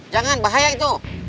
jangan bahaya itu